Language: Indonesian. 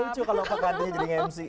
nggak lucu kalau aku gantinya jadi mc